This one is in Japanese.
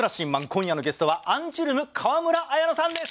今夜のゲストはアンジュルム川村文乃さんです。